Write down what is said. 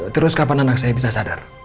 terus kapan anak saya bisa sadar